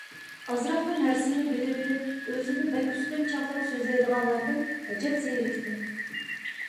ئازراقلا نەرسىنى بىلىۋېلىپ ئۆزىنى بەك ئۈستۈن چاغلاپ سۆزلەيدىغانلاردىن ئەجەب زېرىكتىم.